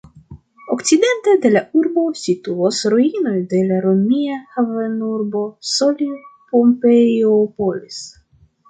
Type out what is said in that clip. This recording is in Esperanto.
Okcidente de la urbo situas ruinoj de la romia havenurbo Soli-Pompeiopolis.